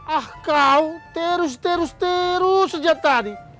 ah kau terus terus terus sejak tadi